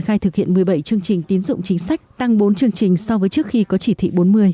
khai thực hiện một mươi bảy chương trình tín dụng chính sách tăng bốn chương trình so với trước khi có chỉ thị bốn mươi